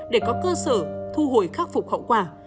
để có cơ sở thu hồi khắc phục hậu quả